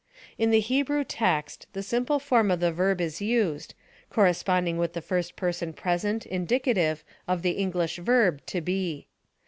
In the Hebrew text; the simple form of the verb is used, corresponding with the first person present, indicative, of the English verb to be.